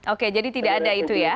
oke jadi tidak ada itu ya